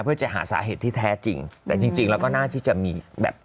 เพื่อจะหาสาเหตุที่แท้จริงแต่จริงจริงแล้วก็น่าที่จะมีแบบ